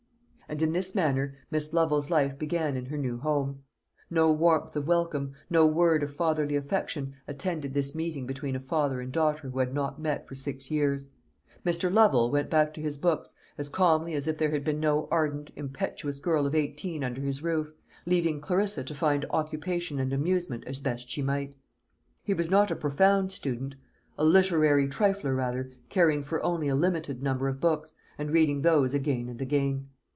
And in this manner Miss Lovel's life began in her new home. No warmth of welcome, no word of fatherly affection, attended this meeting between a father and daughter who had not met for six years. Mr. Lovel went back to his books as calmly as if there had been no ardent impetuous girl of eighteen under his roof, leaving Clarissa to find occupation and amusement as best she might. He was not a profound student; a literary trifler rather, caring for only a limited number of books, and reading those again and again.